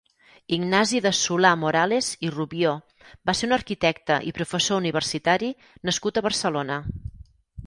Ignasi de Solà-Morales i Rubió va ser un arquitecte i professor universitari nascut a Barcelona.